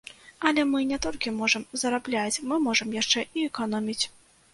Але мы не толькі можам зарабляць, мы можам яшчэ і эканоміць.